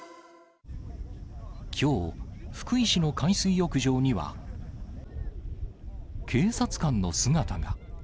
きょう、福井市の海水浴場には、警察官の姿が。